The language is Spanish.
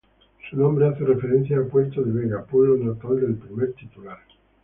Su nombre hace referencia a Puerto de Vega, pueblo natal del primer titular.